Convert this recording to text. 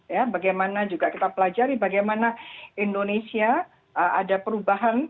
ya bagaimana juga kita pelajari bagaimana indonesia ada perubahan